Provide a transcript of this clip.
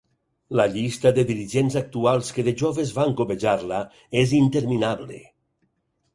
La llista de dirigents actuals que de joves van cobejar-la és interminable.